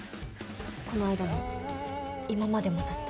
この間も今までもずっと。